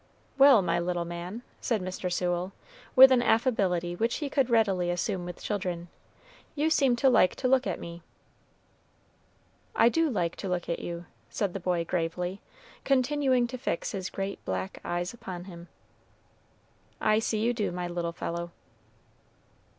"Well, my little man," said Mr. Sewell, with an affability which he could readily assume with children, "you seem to like to look at me." "I do like to look at you," said the boy gravely, continuing to fix his great black eyes upon him. "I see you do, my little fellow."